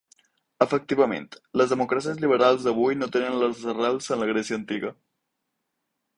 Efectivament, les democràcies liberals d’avui no tenen les arrels en la Grècia antiga.